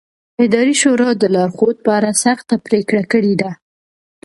اداري شورا د لارښود په اړه سخته پرېکړه کړې ده.